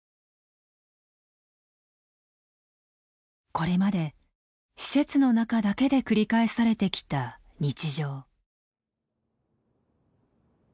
これまで施設の中だけで繰り返されてきた日常。